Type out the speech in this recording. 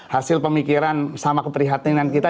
hasil pemikiran sama keprihatinan kita